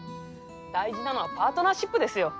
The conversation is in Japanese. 大事なのはパートナーシップですよ。